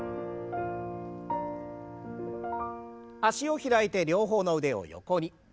脚を開いて両方の腕を横に。